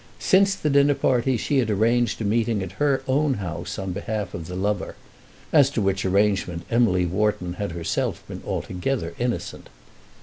Since the dinner party she had arranged a meeting at her own house on behalf of the lover, as to which arrangement Emily Wharton had herself been altogether innocent.